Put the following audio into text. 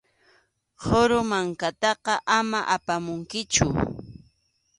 Qhuru mankataqa ama apamunkichu.